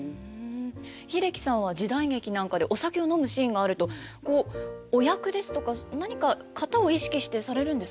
英樹さんは時代劇なんかでお酒を飲むシーンがあるとこうお役ですとか何か型を意識してされるんですか？